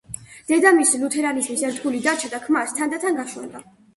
დედამისი ლუთერანიზმის ერთგული დარჩა და ქმარს თანდათან განშორდა.